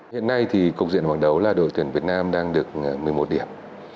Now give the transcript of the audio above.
hiện nay thì cục diện bảng đấu là đội tuyển việt nam đang được một mươi một điểm